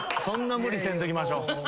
そんな無理せんときましょう。